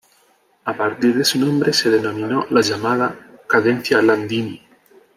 A partir de su nombre se denominó la llamada cadencia Landini.